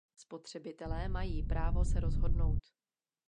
Spotřebitelé mají právo se rozhodnout.